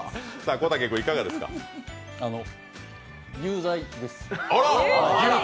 有罪です。